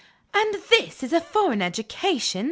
"And this is a foreign education!"